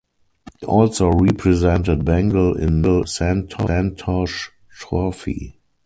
He also represented Bengal in Santosh Trophy.